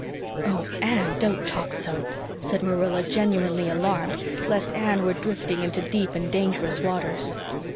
"Oh, Anne, don't talk so," said Marilla, genuinely alarmed lest Anne were drifting into deep and dangerous waters.